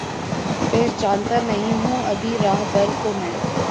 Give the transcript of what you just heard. پہچانتا نہیں ہوں ابھی راہبر کو میں